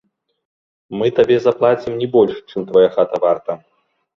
Мы табе заплацім не больш, чым твая хата варта.